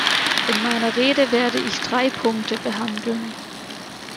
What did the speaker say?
In meiner Rede werde ich drei Punkte behandeln.